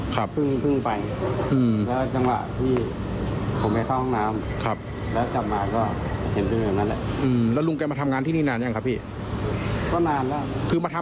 ก็คือมาดูแลเรื่อง